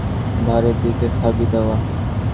রাঙা রাঙা খোয়ার রাশি উঁচু হইয়া ধারের দিকে সাবি দেওয়া।